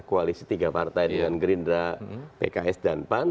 koalisi tiga partai dengan gerindra pks dan pan